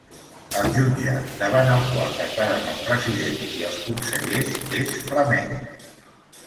El jutge davant el qual declaren el president i els consellers és flamenc.